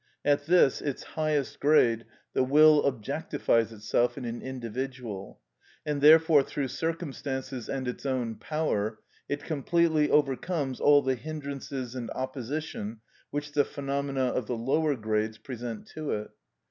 At this its highest grade the will objectifies itself in an individual; and therefore through circumstances and its own power it completely overcomes all the hindrances and opposition which the phenomena of the lower grades present to it.